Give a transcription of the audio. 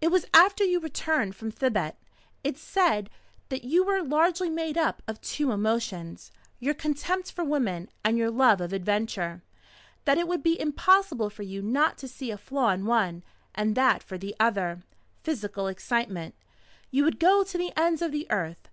"It was after you returned from Thibet. It said that you were largely made up of two emotions your contempt for woman and your love of adventure; that it would be impossible for you not to see a flaw in one, and that for the other physical excitement you would go to the ends of the earth.